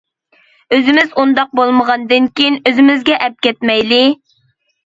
ئۆزىمىز ئۇنداق بولمىغاندىن كېيىن ئۆزىمىزگە ئەپ كەتمەيلى.